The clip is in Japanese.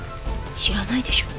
知らないでしょ。